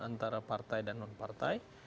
antara partai dan nonpartai